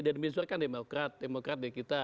dedy mizwar kan demokrat demokrat dari kita